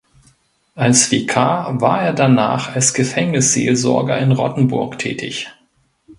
Als Vikar war er danach als Gefängnisseelsorger in Rottenburg tätig.